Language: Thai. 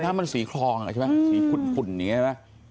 น้ำมันสีคลองสีขุ่นนี่ใช่ไหม